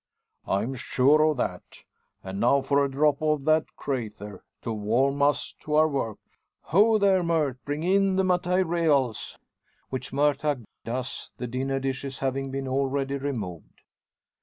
"I'm sure of that. And now for a drop of the `crayther,' to warm us to our work. Ho! there, Murt! bring in the `matayreals.'" Which Murtagh does, the dinner dishes having been already removed.